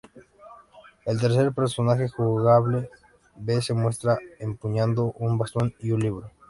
El tercer personaje jugable, V, se muestra empuñando un bastón y un libro.